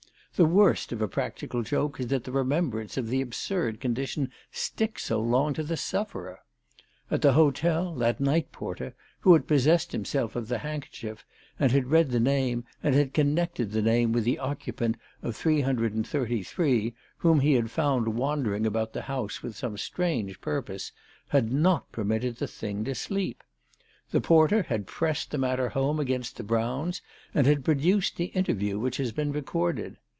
The worst of a practical joke is that the remembrance of the absurd condition sticks so long to the sufferer ! At the hotel that night porter, who had possessed himself of the handkerchief and had read the name, and had connected that name with the occupant of 333 whom he had found wander ing about the house with some strange purpose, had not permitted the thing to sleep. The porter had pressed the matter home against the Browns, and had produced the interview which has been recorded.